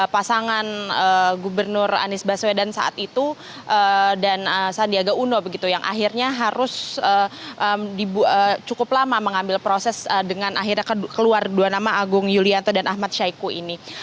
pasangan gubernur anies baswedan saat itu dan sandiaga uno begitu yang akhirnya harus cukup lama mengambil proses dengan akhirnya keluar dua nama agung yulianto dan ahmad syaiqo ini